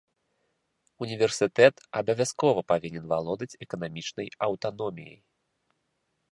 Універсітэт абавязкова павінен валодаць эканамічнай аўтаноміяй.